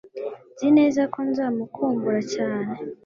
Nzi neza ko nzamukumbura cyane